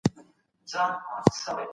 تغافل وو، که غفلت و